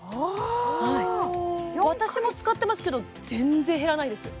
私も使ってますけど全然減らないです